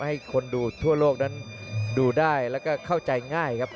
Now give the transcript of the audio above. ให้คนดูทั่วโลกนั้นดูได้แล้วก็เข้าใจง่ายครับ